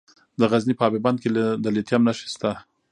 د غزني په اب بند کې د لیتیم نښې شته.